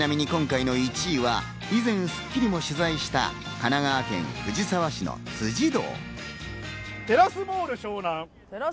ちなみに今回の１位は以前『スッキリ』も取材した神奈川県藤沢市の辻堂。